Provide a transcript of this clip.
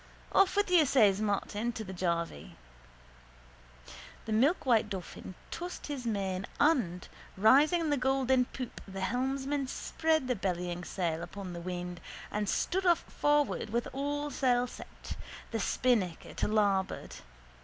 —Off with you, says Martin to the jarvey. The milkwhite dolphin tossed his mane and, rising in the golden poop the helmsman spread the bellying sail upon the wind and stood off forward with all sail set, the spinnaker to larboard.